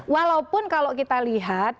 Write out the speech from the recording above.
walaupun kalau kita lihat